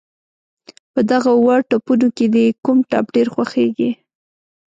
په دغه اووه ټپونو کې دې کوم ټپ ډېر خوږېږي.